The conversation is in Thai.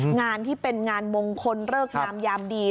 งานที่เป็นงานมงคลเริกงามยามดี